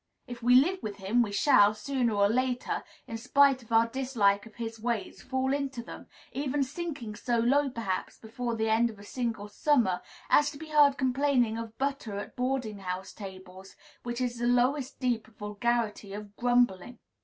If we live with him, we shall, sooner or later, in spite of our dislike of his ways, fall into them; even sinking so low, perhaps, before the end of a single summer, as to be heard complaining of butter at boarding house tables, which is the lowest deep of vulgarity of grumbling.